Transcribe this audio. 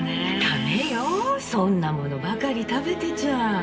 「駄目よそんなものばかり食べてちゃ」